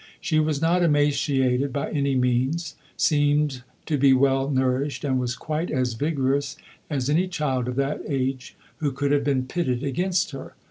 She was not emaciated by any means, seemed to be well nourished, and was quite as vigorous as any child of that age who could have been pitted against her.